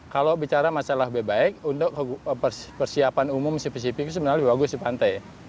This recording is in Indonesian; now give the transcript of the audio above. kalau bicara masalah bebaik untuk persiapan umum spesifik sebenarnya lebih bagus di pantai